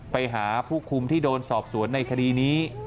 ไปหาผู้คุมที่โดนสอบสวนในคดีนี้